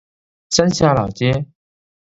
三峽老街